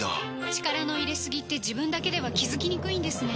力の入れすぎって自分だけでは気付きにくいんですね